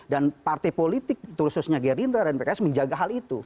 dan partai politik khususnya gerindra dan pks menjaga hal itu